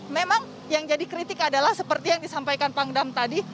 memang yang jadi kritik adalah seperti yang disampaikan pangdam tadi